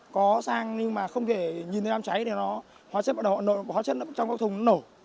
có xăng nhưng mà không thể nhìn thấy đám cháy thì nó hóa chất bắt đầu hóa chất trong các thùng nó nổ